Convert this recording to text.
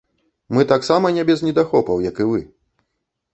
Мы таксама не без недахопаў, як і вы.